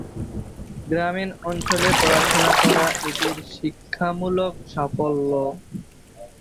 গ্রামীণ অঞ্চলে পড়াশোনা করা এটির শিক্ষামূলক সাফল্য।